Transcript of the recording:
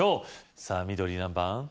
さぁ緑何番？